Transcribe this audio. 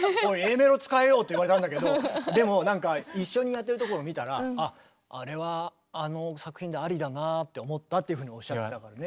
メロ使えよ！って言われたんだけどでもなんか一緒にやってるところを見たらあれはあの作品でアリだなって思ったっていうふうにおっしゃってたからね。